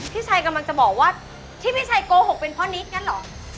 พี่ชัยกำลังจะบอกว่าที่พี่ชัยโกหกเป็นเพราะนิดงั้นเหรอ